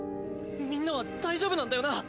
みんなは大丈夫なんだよな？